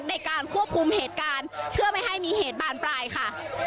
ในการควบคุมเหตุการณ์เพื่อไม่ให้มีเหตุบานปลายค่ะ